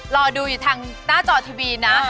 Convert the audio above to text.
รอดูอยู่ทางหน้าจอทีวีนะ